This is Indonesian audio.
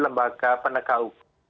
lembaga penegak upah